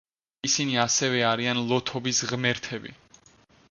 ისინი ასევე არიან ლოთობის ღმერთები.